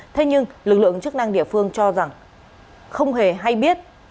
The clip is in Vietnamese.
thế nhưng lực lượng chức năng địa phương cho rằng không hề hay biết